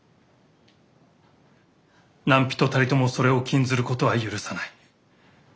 何人たりともそれを禁ずることは許さない」。